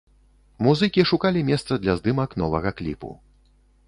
Музыкі шукалі месца для здымак новага кліпу.